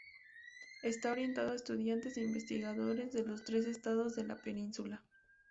Está orientado a estudiantes e investigadores de los tres estados de la Península.